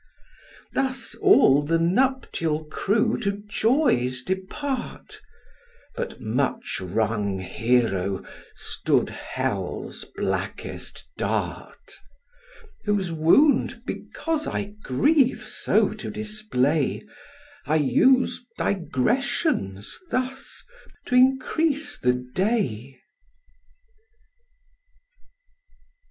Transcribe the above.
Thus all the nuptial crew to joys depart; But much wrung Hero stood Hell's blackest dart: Whose wound because I grieve so to display, I use digressions thus t'increase the day.